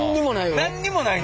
何にもないの？